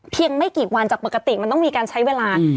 ไม่กี่วันจากปกติมันต้องมีการใช้เวลา